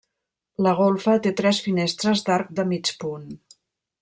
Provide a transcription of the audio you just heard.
La golfa té tres finestres d'arc de mig punt.